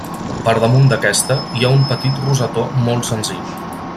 Per damunt d'aquesta hi ha un petit rosetó molt senzill.